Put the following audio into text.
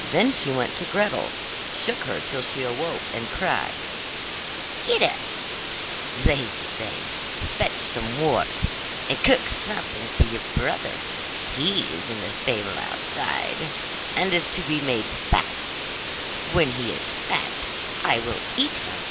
Then she went to Gretel, shook her till she awoke, and cried: 'Get up, lazy thing, fetch some water, and cook something good for your brother, he is in the stable outside, and is to be made fat. When he is fat, I will eat him.